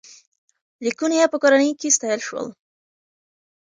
لیکونو یې په کورنۍ کې ستایل شول.